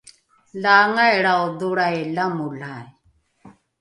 laangailrao dholrai lamolai